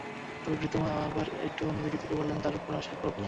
তবে প্রীতম আবার একটু অন্যদিক থেকে বললেন, তাঁর ওপর আসা প্রভাব নিয়ে।